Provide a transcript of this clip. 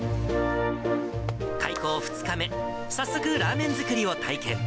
開校２日目、早速、ラーメン作りを体験。